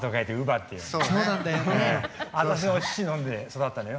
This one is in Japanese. あのねお乳飲んで育ったのよ。